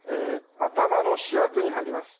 頭の指圧に入ります。